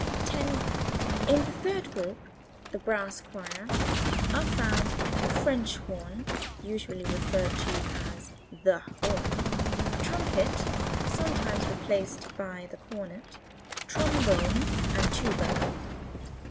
10. In the third group (the brass choir) are found the French horn, (usually referred to as the horn), trumpet (sometimes replaced by the cornet) trombone, and tuba.